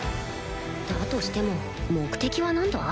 だとしても目的は何だ？